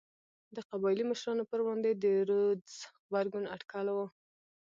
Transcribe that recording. د قبایلي مشرانو پر وړاندې د رودز غبرګون اټکل و.